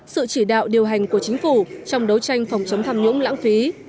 sự chỉ đạo điều hành của chính phủ trong đấu tranh phòng chống tham nhũng lãng phí